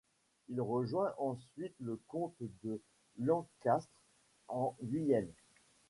Il rejoint ensuite le comte de Lancastre en Guyenne.